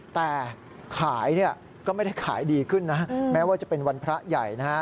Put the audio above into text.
แต่ขายเนี่ยก็ไม่ได้ขายดีขึ้นนะแม้ว่าจะเป็นวันพระใหญ่นะฮะ